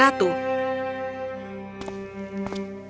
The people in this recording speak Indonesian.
ratu lembah tinggi